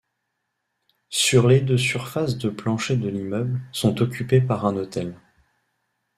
Sur les de surface de plancher de l'immeuble, sont occupés par un hôtel.